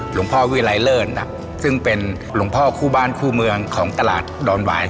วิรัยเลิศซึ่งเป็นหลวงพ่อคู่บ้านคู่เมืองของตลาดดอนหวาย